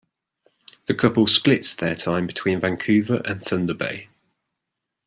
The couple splits their time between Vancouver and Thunder Bay.